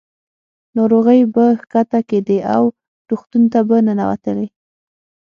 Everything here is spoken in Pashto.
ناروغۍ به ښکته کېدې او روغتون ته به ننوتلې.